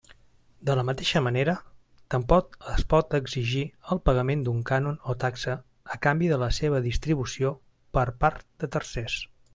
De la mateixa manera, tampoc no es pot exigir el pagament d'un cànon o taxa a canvi de la seva distribució per part de tercers.